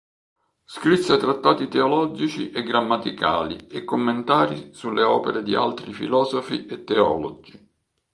Scrisse trattati teologici e grammaticali e commentari sulle opere di altri filosofi e teologi.